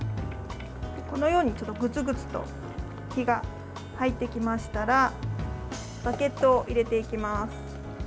このようにグツグツと火が入ってきましたらバゲットを入れていきます。